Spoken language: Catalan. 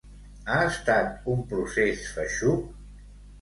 Ha estat un procés feixuc?